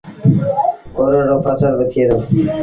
ڪورڙ رو ڦسل با ٿئي دو